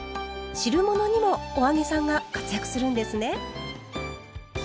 汁物にもお揚げさんが活躍するんですね。